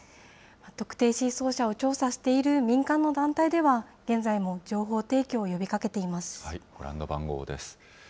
特定失踪者を調査している民間の団体では、現在も情報提供を呼びご覧の番号です。